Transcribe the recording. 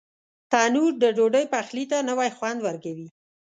تنور د ډوډۍ پخلي ته نوی خوند ورکوي